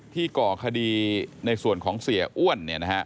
ก่อคดีในส่วนของเสียอ้วน